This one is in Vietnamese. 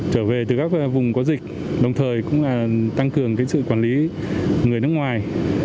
trở về từ các vùng có dịch đồng thời tăng cường sự quản lý người nước ngoài